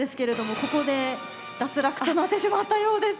ここで脱落となってしまったようです。